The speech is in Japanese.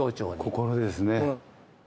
心ですね。